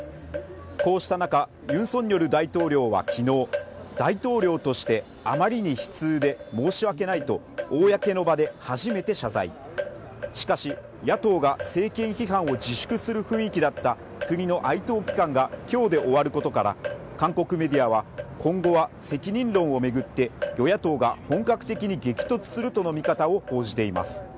こうした中ユン・ソンニョル大統領はきのう大統領としてあまりに悲痛で申し訳ないと公の場で初めて謝罪しかし野党が政権批判を自粛する雰囲気だった国の哀悼期間がきょうで終わることから韓国メディアは今後は責任論をめぐって与野党が本格的に激突するとの見方を報じています